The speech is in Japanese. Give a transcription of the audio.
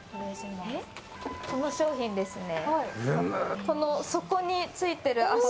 この商品ですね。